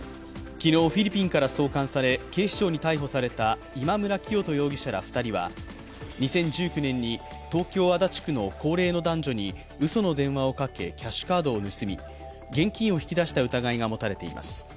昨日、フィリピンから送還され、警視庁に逮捕された今村磨人容疑者ら２人は２０１９年に東京・足立区の高齢の男女にうその電話をかけ、キャッシュカードを盗み現金を引き出した疑いが持たれています。